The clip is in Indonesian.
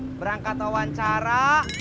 iya pak berangkat wawancara